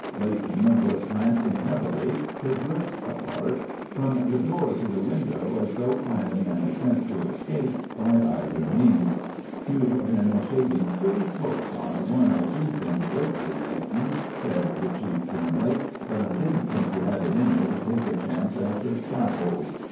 Leighton was glancing heavily, his lips apart, from the door to the window as though planning an attempt to escape by either means. "You've been shading pretty close on one or two things lately, Leighton," said the Chief grimly. "But I didn't think you had it in you to take a chance at the scaffold."